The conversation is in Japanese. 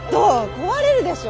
壊れるでしょ。